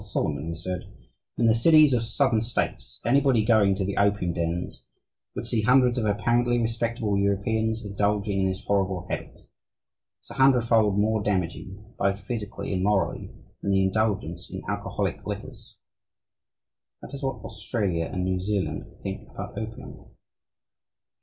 Solomon, who said: "In the cities of the Southern States anybody going to the opium dens would see hundreds of apparently respectable Europeans indulging in this horrible habit. It is a hundredfold more damaging, both physically and morally, than the indulgence in alcoholic liquors." That is what Australia and New Zealand think about opium.